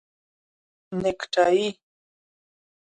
👔 نیکټایې